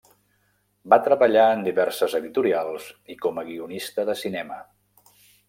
Va treballar en diverses editorials i com a guionista de cinema.